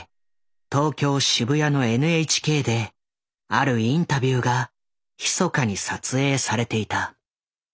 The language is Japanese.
東京渋谷のＮＨＫであるインタビューがひそかに撮影されていた。